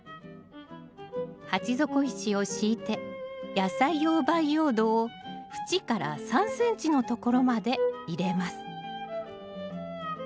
鉢底石を敷いて野菜用培養土を縁から３ｃｍのところまで入れます